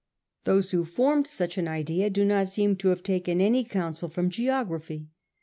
Those who formed such an idea do not seem to have taken any counsel with geo graphy.